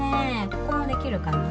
ここもできるかな？